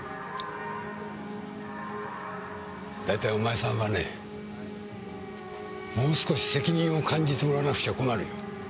大体お前さんはねもう少し責任を感じてもらわなくちゃ困るよ。